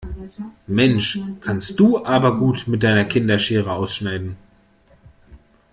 Mensch, kannst du aber gut mit deiner Kinderschere ausschneiden.